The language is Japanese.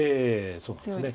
そうですね。